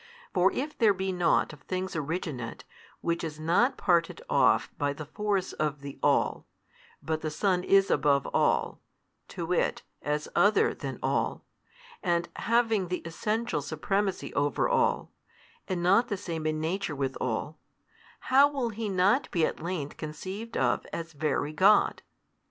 For if there be nought of things originate which is not parted off by the force of the All, but the Son is above all, to wit, as Other than all, and having the Essential Supremacy over all, and not the same in nature with all, how will He not be at length conceived of as Very God?